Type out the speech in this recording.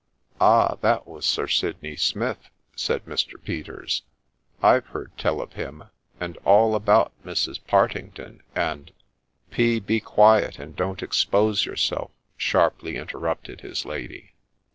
' Ah ! that was Sir Sidney Smith,' said Mr. Peters ; 'I've heard tell of him, and all about Mrs. Partington, and '' P. be quiet, and don't expose yourself !' sharply interrupted his lady.